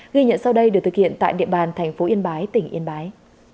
ghi nhận sau đây được thực hiện tại địa bàn tp yên bái tỉnh yên bái